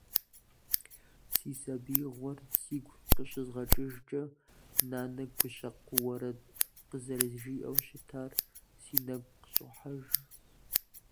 Си сабиигъуэр сигу къыщызгъэкӀыжкӀэ, нанэ гущэкъу уэрэд къызэрызжиӏэу щытар си нэгу къыщӏохьэж.